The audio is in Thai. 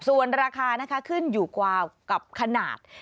ส่วนราคานะคะขึ้นอยู่กว่ากับขนาด